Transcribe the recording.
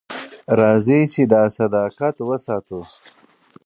راځئ چې دا صداقت وساتو.